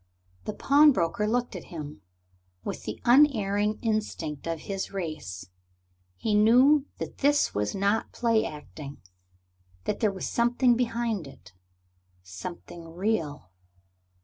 The pawnbroker looked at him. With the unerring instinct of his race, he knew that this was not play acting, that there was something behind it something real.